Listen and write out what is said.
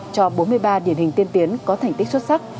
cho bốn mươi ba điển hình tiên tiến có thành tích xuất sắc